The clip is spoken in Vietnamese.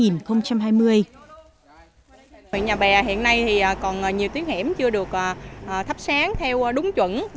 nhà bè hiện nay thì còn nhiều tuyến hẻm chưa được thắp sáng theo đúng chuẩn